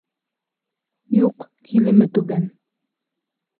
Юҡ, килеме түбән.